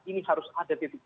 ini harus ada titik